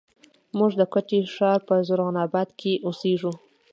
موږ د کوټي ښار په زرغون آباد کښې اوسېږو